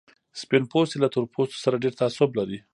سپين پوستي له تور پوستو سره ډېر تعصب لري.